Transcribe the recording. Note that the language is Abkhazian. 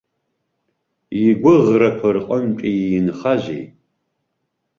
Игәыӷрақәа рҟынтәи инхазеи?